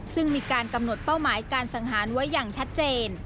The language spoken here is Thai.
ซึ่งมีการกำหนดเป้าหมายการสังหารไว้อย่างชัดเจน